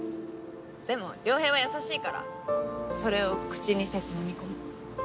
でも良平は優しいからそれを口にせず飲み込む。